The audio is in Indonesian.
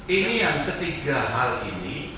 ini yang ketiga hal ini